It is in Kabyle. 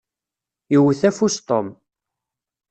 Iwwet afus Tom.